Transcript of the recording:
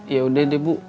ya udah deh bu